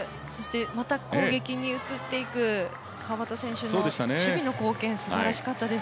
また攻撃に移っていく川畑選手の守備の貢献すばらしかったです。